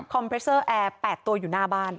เพรสเซอร์แอร์๘ตัวอยู่หน้าบ้าน